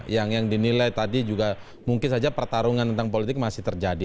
yang dinilai tadi juga mungkin saja pertarungan tentang politik masih terjadi